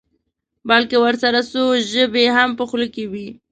بلکې ورسره څو ژبې یې هم په خوله کې وي.